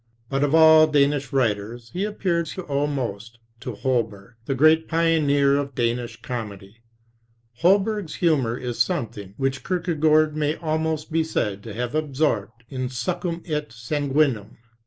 But of all Danish writers, he appears to owe most to Holberg, the great pioneer of Danish comedy. Holberg's humor is something which Kierkegaard may almost be said to have absorbed in succum et sanguinem.